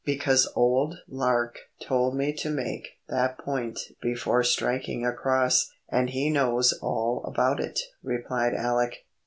"Because old Lark told me to make that point before striking across, and he knows all about it," replied Alec.